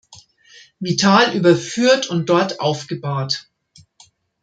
Vital überführt und dort aufgebahrt.